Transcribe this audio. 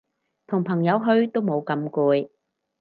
同朋友去都冇咁攰